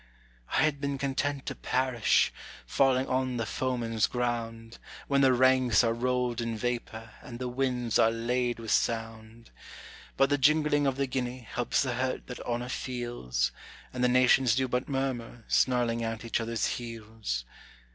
I had been content to perish, falling on the foeman's ground, When the ranks are rolled in vapor, and the winds are laid with sound. But the jingling of the guinea helps the hurt that honor feels, And the nations do but murmur, snarling at each other's heels.